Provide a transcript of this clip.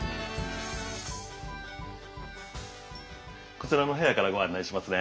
こちらの部屋からご案内しますね。